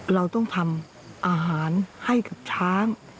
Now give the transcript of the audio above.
เราต้องทำอาหารให้กับช้าง